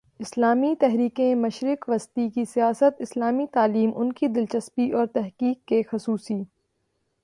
اسلامی تحریکیں، مشرق وسطی کی سیاست، اسلامی تعلیم، ان کی دلچسپی اور تحقیق کے خصوصی موضوعات تھے۔